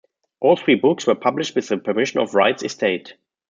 All three books were published with the permission of Wright's estate.